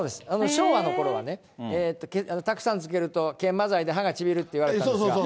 昭和のころはね、たくさんつけると研磨剤で歯がちびるって言われたんですが。